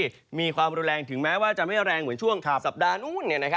ที่มีความรุนแรงถึงแม้ว่าจะไม่แรงเหมือนช่วงสัปดาห์นู้น